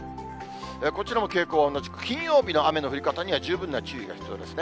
こちらも傾向は同じく、金曜日の雨の降り方には十分な注意が必要ですね。